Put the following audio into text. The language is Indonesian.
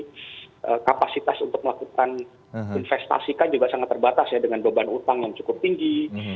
tapi kapasitas untuk melakukan investasi kan juga sangat terbatas ya dengan beban utang yang cukup tinggi